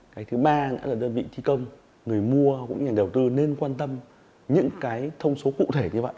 cái thứ ba là đơn vị thi công người mua cũng như nhà đầu tư nên quan tâm những thông số cụ thể